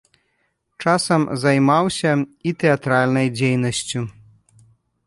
Часам займаўся і тэатральнай дзейнасцю.